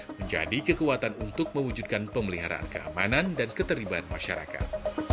menjadi kekuatan untuk mewujudkan pemeliharaan keamanan dan keterlibatan masyarakat